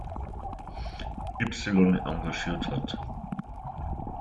Y“ engagiert hat.